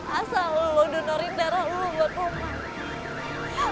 asal lo donorin darah lo buat roman